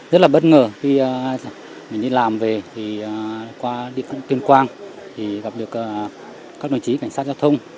rất là bất ngờ khi mình đi làm về qua địa phương tuyên quang gặp được các đồng chí cảnh sát giao thông